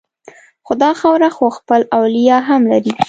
خو دا خاوره خو خپل اولیاء هم لري